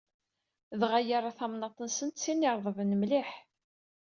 Dɣa yerra tamnaḍt-nsen d tin ireḍben mliḥ.